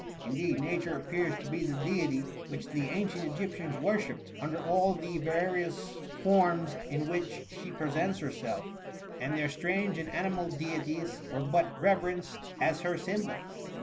Indeed, Nature appears to be the deity which the an cient Egyptians worshipped, under all the vari ous forms in which she presents herself; and their strange and animal deities were but re verenced as her symbols.